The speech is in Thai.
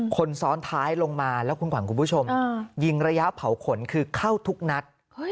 คนซ้อนท้ายลงมาแล้วคุณขวัญคุณผู้ชมยิงระยะเผาขนคือเข้าทุกนัด